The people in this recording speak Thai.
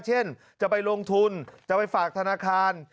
เช่นจะไปลงทุนจะไปฝากธนาคาร